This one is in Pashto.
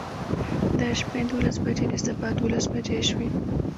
د شپې دولس بجې د سبا دولس بجې شوې.